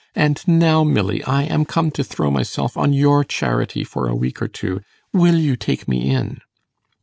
And now, Milly, I am come to throw myself on your charity for a week or two. Will you take me in?